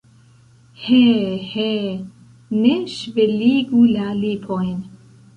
He, he, ne ŝveligu la lipojn!